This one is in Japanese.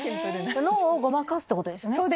脳をごまかすってことですよね。